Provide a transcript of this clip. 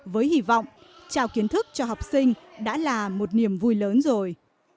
với hy vọng trao kiến thức cho học sinh đã là một niềm vui lớn rồi